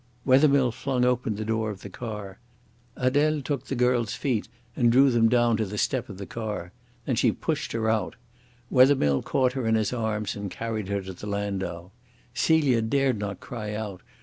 Wethermill flung open the door of the car. Adele took the girl's feet and drew them down to the step of the car. Then she pushed her out. Wethermill caught her in his arms and carried her to the landau. Celia dared not cry out.